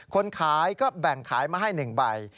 คนขายก็แบ่งขายมาให้๑ใบ